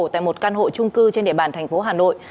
tại một căn hộ trung cư trên địa bàn thành phố hà nội